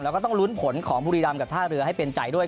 แล้วก็ต้องลุ้นผลของบุรีรำกับท่าเรือให้เป็นใจด้วย